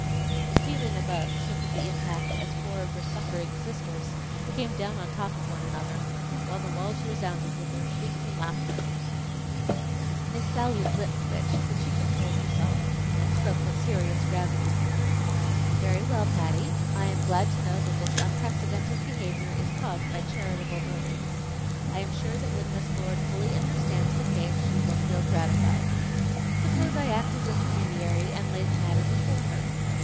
The ceiling above shook at the impact, as four of her suffering sisters came down on top of one another, while the walls resounded with their shrieks and laughter. Miss Sallie's lip twitched, but she controlled herself and spoke with serious gravity. "Very well, Patty, I am glad to know that this unprecedented behavior is caused by charitable motives. I am sure that when Miss Lord fully understands the case she will feel gratified. Suppose I act as intermediary and lay the matter before her?